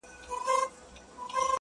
o میکده په نامه نسته، هم حرم هم محرم دی،